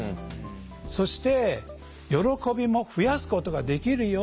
そして喜びも増やすことができるよ。